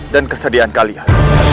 dan kesedihan kalian